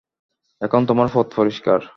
এখন তোমার পথ পরিষ্কার।